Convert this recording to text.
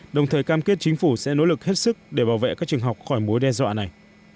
đồng thời cam kết chính phủ sẽ nỗ lực hết sức để bảo vệ các trường học khỏi mối đe dọa này